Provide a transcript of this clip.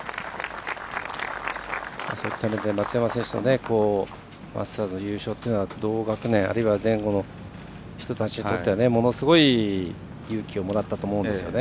そういった面で松山選手のマスターズの優勝というのは同学年、あるいは前後の人たちにとってはものすごい勇気をもらったと思うんですよね。